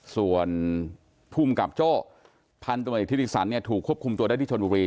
ส่วนภูมิกับโจ้พันธมเอกธิติสันเนี่ยถูกควบคุมตัวได้ที่ชนบุรี